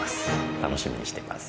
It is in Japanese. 楽しみにしています